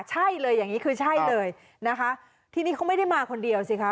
ใช่เลยอย่างนี้คือใช่เลยนะคะทีนี้เขาไม่ได้มาคนเดียวสิคะ